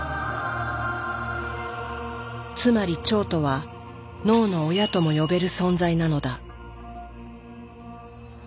つまり腸とは脳の親とも呼べる存在なのだ。